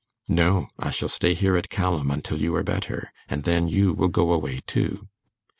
'No, I shall stay here at Callam until you are better, and then you will go away too.